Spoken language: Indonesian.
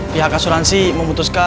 pihak asuransi memutuskan